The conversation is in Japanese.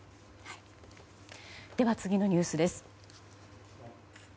では、次のニュースです。